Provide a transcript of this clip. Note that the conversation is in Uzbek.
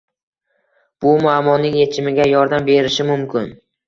bu muammoning yechimiga yordam berishi mumkin.